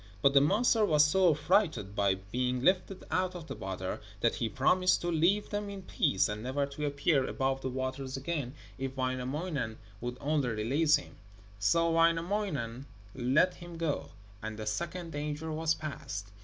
But the monster was so affrighted by being lifted out of the water that he promised to leave them in peace, and never to appear above the waters again if Wainamoinen would only release him. So Wainamoinen let him go, and the second danger was past.